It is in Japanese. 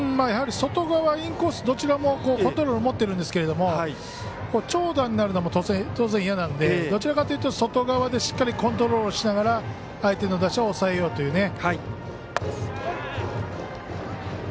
外側、インコースどちらもコントロール持っているんですが長打になるのは当然、嫌なのでどちらかというと外側でしっかりとコントロールしながら相手の打者を抑えようという。